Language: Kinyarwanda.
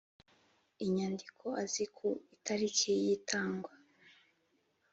inyandiko azi ku itariki y itangwa